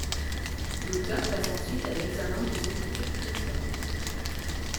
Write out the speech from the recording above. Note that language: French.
L'auteur passe ensuite à l'examen des Écritures chrétiennes.